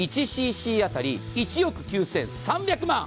１ｃｃ当たり１億９３００万！